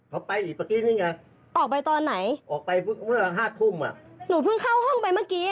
เอาเขากลับมาเนี่ย